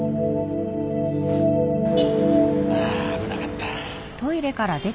ああ危なかった。